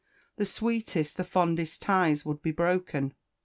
The sweetest, the fondest ties would be broken.